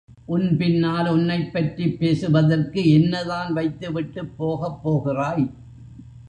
உன் பின்னால் உன்னைப்பற்றிப் பேசுவதற்கு என்னதான் வைத்துவிட்டுப் போகப் போகிறாய்?